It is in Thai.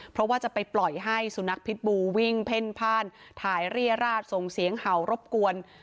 เพราะว่าจะไปปล่อยให้สุนัขพิษบูวิ่งเพ่นพ่านถ่ายเรียราชส่งเสียงเห่ารบกวน